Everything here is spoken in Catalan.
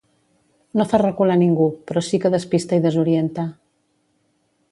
No fa recular ningú, però sí que despista i desorienta.